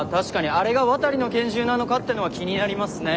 あれが渡の拳銃なのか？ってのは気になりますね。